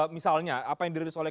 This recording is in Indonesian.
misalnya apa yang dirilis oleh